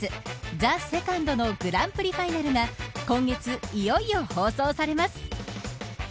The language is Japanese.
ＴＨＥＳＥＣＯＮＤのグランプリファイナルが今月、いよいよ放送されます。